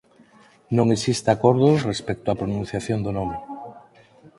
Non existe acordo respecto á pronunciación do nome.